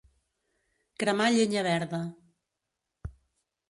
Cremar llenya verda.